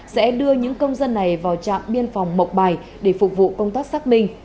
sẽ đưa những công dân này vào trạm biên phòng mộc bài để phục vụ công tác xác minh